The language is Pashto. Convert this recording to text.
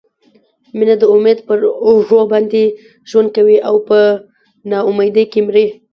مینه د امید پر اوږو باندې ژوند کوي او په نا امیدۍ کې مري.